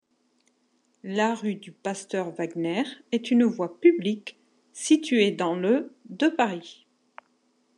La rue du Pasteur-Wagner est une voie publique située dans le de Paris.